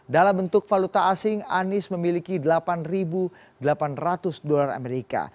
dalam bentuk valuta asing anies memiliki delapan delapan ratus dolar amerika